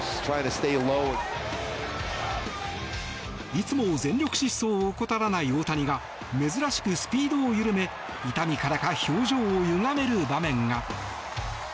いつも全力疾走を怠らない大谷が珍しくスピードを緩め痛みからか表情をゆがめる場面が。